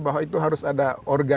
bahwa itu harus ada